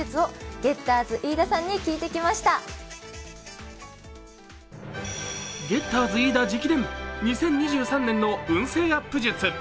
ゲッターズ飯田直伝、２０２３年の運勢アップ術。